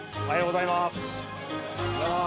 おはようございます。